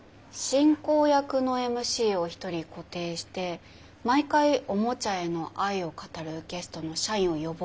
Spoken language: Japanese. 進行役のＭＣを１人固定して毎回おもちゃへの愛を語るゲストの社員を呼ぼうかなと思ってます。